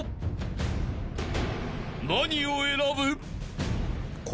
［何を選ぶ？］